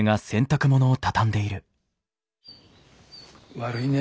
悪いね